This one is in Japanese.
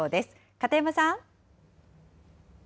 片山さん。